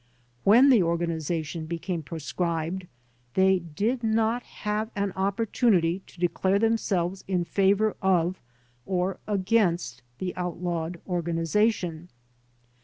When the organization became proscribed they did not have an opportunity to declare themselves in favor of or against the outlawed organization.